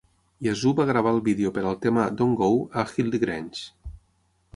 Yazoo va gravar el vídeo per al tema "Don't Go" a Headley Grange.